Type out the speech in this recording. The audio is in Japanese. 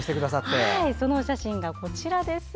そのお写真が、こちらです。